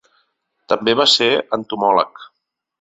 També va ser entomòleg.